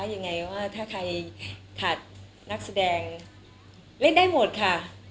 ยังไงว่าถ้าใครขาดนักแสดงเล่นได้หมดค่ะ